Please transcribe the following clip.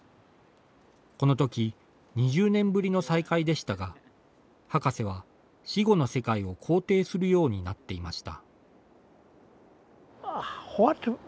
このとき２０年ぶりの再会でしたが博士は、死後の世界を肯定するようになっていました。